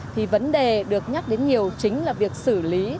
thì vấn đề được nhắc đến nhiều chính là việc xử lý